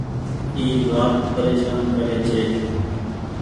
اي وآت پريشان ڪري ڇي۔